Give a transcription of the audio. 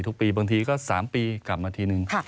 ทุกปีบางทีก็๓ปีกลับมาทีนึง